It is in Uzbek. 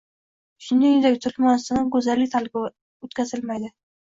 Shuningdek, Turkmanistonda go'zallik tanlovi o'tkazilmaydi